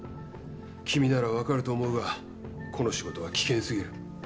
君ならわかると思うがこの仕事は危険すぎる。